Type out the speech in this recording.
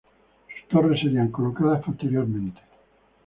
Sus torres serían colocadas posteriormente.